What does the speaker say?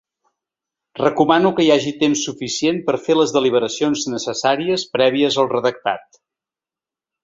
Recomano que hi hagi temps suficient per fer les deliberacions necessàries prèvies al redactat.